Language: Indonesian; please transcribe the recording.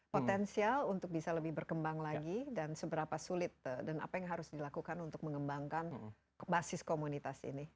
potensial untuk bisa lebih berkembang lagi dan seberapa sulit dan apa yang harus dilakukan untuk mengembangkan basis komunitas ini